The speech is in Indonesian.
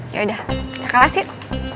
yaudah gak kalah sih